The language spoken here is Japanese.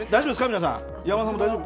皆さん。